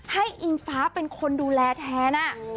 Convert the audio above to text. อิงฟ้าเป็นคนดูแลแทน